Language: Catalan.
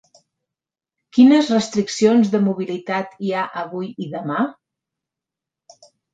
Quines restriccions de mobilitat hi ha avui i demà?